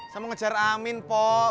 saya mau ngejar amin pok